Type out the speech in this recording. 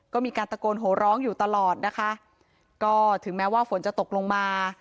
ก็มีการตะโกนโหร้องอยู่ตลอดนะคะก็ถึงแม้ว่าฝนจะตกลงมา